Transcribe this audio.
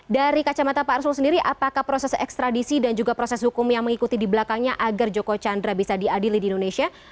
dari kacamata pak arsul sendiri apakah proses ekstradisi dan juga proses hukum yang mengikuti di belakangnya agar joko chandra bisa diadili di indonesia